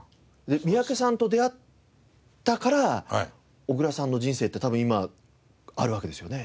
三宅さんと出会ったから小倉さんの人生って多分今あるわけですよね。